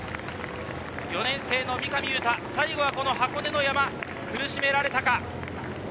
４年生の三上雄太、最後の箱根の山、苦しめられたか。